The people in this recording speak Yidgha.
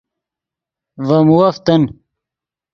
ڤے مووف تن